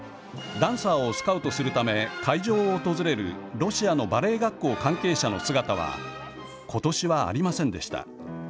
ダンサーをスカウトするため会場を訪れるロシアのバレエ学校関係者の姿は今年はありませんでした。